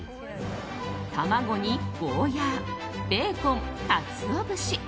卵に、ゴーヤ、ベーコンカツオ節。